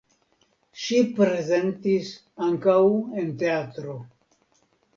Ŝi prezentis ankaŭ en teatro.